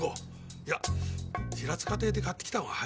いや平塚亭で買ってきた方が早いな。